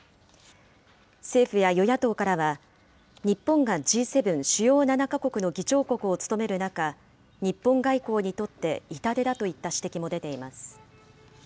政府や与野党からは、日本がＧ７・主要７か国の議長国を務める中、日本外交にとって痛手だといった指摘も出ています。